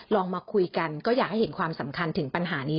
ลองมาคุยกันก็อยากให้เห็นความสำคัญถึงปัญหานี้